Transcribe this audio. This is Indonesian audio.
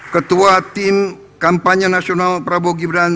ketua tim kampanye nasional prabowo gibran